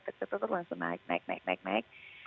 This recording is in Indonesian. tepet tepet langsung naik naik naik naik